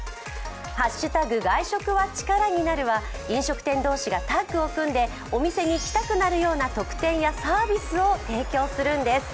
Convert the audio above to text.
「＃外食はチカラになる」は飲食店同士がタッグを組んでお店に行きたくなるような特典やサービスを提供するんです。